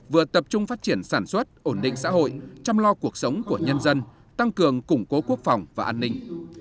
vừa tập trung phát triển sản xuất ổn định xã hội chăm lo cuộc sống của nhân dân tăng cường củng cố quốc phòng và an ninh